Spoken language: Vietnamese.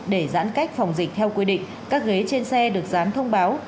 để giãn cách phòng dịch theo quy định các ghế trên xe được dán thông báo